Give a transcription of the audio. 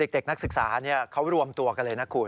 เด็กนักศึกษาเขารวมตัวกันเลยนะคุณ